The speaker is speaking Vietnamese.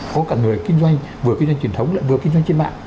có cả người kinh doanh vừa kinh doanh truyền thống lại vừa kinh doanh trên mạng